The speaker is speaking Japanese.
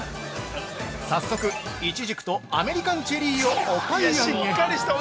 ◆早速、いちじくとアメリカンチェリーをお買い上げ。